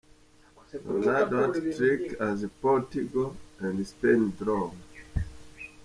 Ronaldo hat-trick as Portugal & Spain draw.